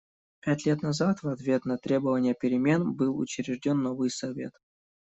Пять лет назад, в ответ на требования перемен, был учрежден новый Совет.